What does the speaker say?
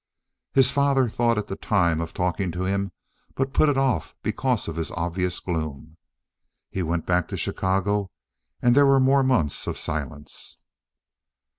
His father thought at the time of talking to him, but put it off because of his obvious gloom. He went back to Chicago, and there were more months of silence.